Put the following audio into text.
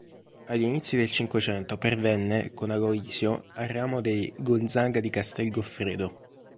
Agli inizi del Cinquecento pervenne, con Aloisio, al ramo dei “Gonzaga di Castel Goffredo”.